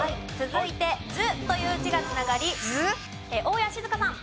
続いて「図」という字が繋がり大家志津香さん。